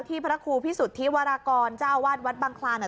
ที่พระครูพิสุทธิ์วรากรเจ้าวัดวัดบังคลาน่ะ